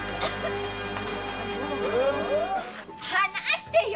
離してよ。